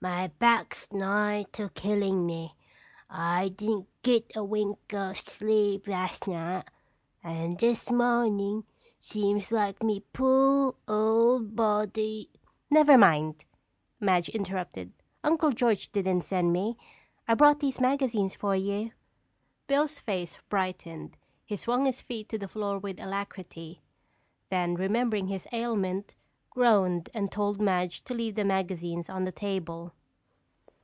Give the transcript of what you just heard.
My back's nigh to killin' me. I didn't git a wink o' sleep last night and this mornin' seems like me poor old body—" "Never mind," Madge interrupted. "Uncle George didn't send me. I brought these magazines for you." Bill's face brightened. He swung his feet to the floor with alacrity, then remembering his ailment, groaned and told Madge to leave the magazines on the table.